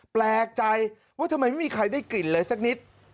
แปลกใจว่าทำไมไม่มีใครได้กลิ่นเลยสักนิด